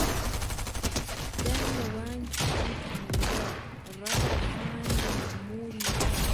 داینەواند پشتی کلیلە، ڕایڕفاند مەئمووری با